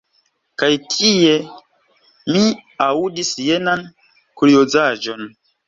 Kaj tie mi aŭdis jenan kuriozaĵon.